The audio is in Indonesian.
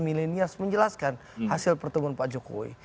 milenial menjelaskan hasil pertemuan pak jokowi